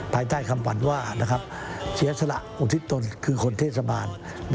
ถ่ายไปด้วยความถึงในคำวัญว่าเจษรอศิลป์อุทิศตนคือคนเทศบาล